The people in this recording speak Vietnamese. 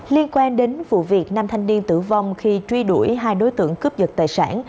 liên quan đến vụ việc năm thanh niên tử vong khi truy đuổi hai đối tượng cướp giật tài sản